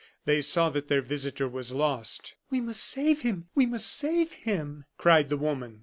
They saw that their visitor was lost. "We must save him! we must save him!" cried the woman.